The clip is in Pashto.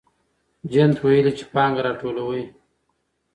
جینت ویلي چې پانګه راټولوي.